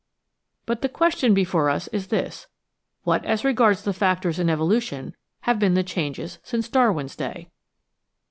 But the question before us is this: What, as regards the factors in evolution, have been the changes since Darwin's day?